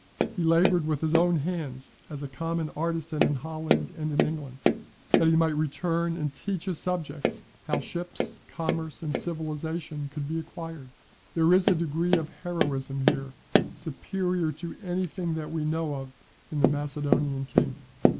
He laboured with his own hands as a common artisan in Holland and in England, that he might return and teach his subjects how ships, commerce, and civilization could be acquired. There is a degree of heroism here superior to anything that we know of in the Macedonian king.